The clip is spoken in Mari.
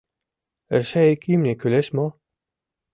Эше ик имне кӱлеш мо?